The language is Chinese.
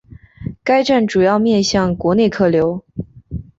该站主要面向国内客流。